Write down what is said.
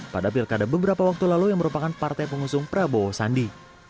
pada pilkada beberapa waktu lalu yang merupakan partai pengusung prabowo sandi